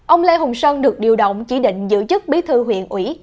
ông lê hùng sơn được điều động chỉ định giữ chức bí thư huyện ủy